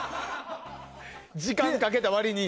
時間かけたわりに。